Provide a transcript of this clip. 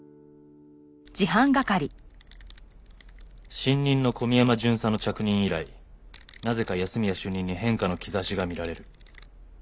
「新任の古宮山巡査の着任以来なぜか安洛主任に変化の兆しが見られる」